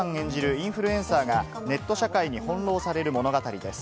インフルエンサーがネット社会に翻弄される物語です。